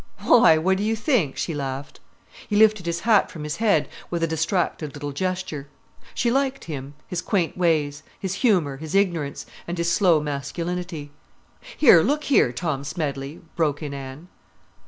"Why, what do you think?" she laughed. He lifted his hat from his head with a distracted little gesture. She liked him, his quaint ways, his humour, his ignorance, and his slow masculinity. "Here, look here, Tom Smedley," broke in Anne.